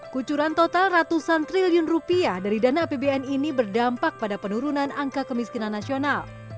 kucuran total ratusan triliun rupiah dari dana apbn ini berdampak pada penurunan angka kemiskinan nasional